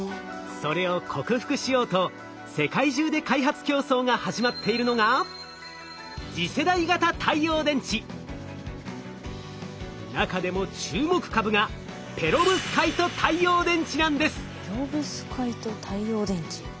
それを克服しようと世界中で開発競争が始まっているのが中でも注目株がペロブスカイト太陽電池。